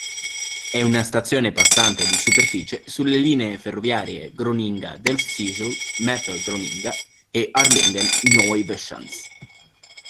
È una stazione passante di superficie sulle linee ferroviarie Groninga-Delfzijl, Meppel-Groninga e Harlingen-Nieuweschans.